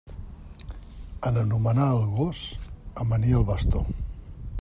En anomenar el gos, amanir el bastó.